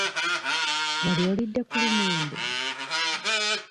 Wali olidde ku lumonde?